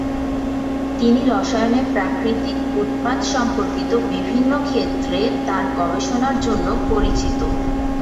তিনি রসায়নে প্রাকৃতিক উৎপাদ সম্পর্কিত বিভিন্ন ক্ষেত্রে তার গবেষণার জন্য পরিচিত।